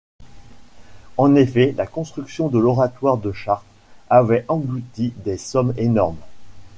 En effet, la construction de l'oratoire de Chartres avait englouti des sommes énormes.